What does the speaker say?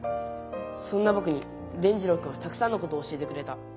そんなぼくに伝じろうくんはたくさんのことを教えてくれた。